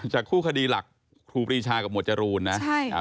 คู่คดีหลักครูปรีชากับหมวดจรูนนะ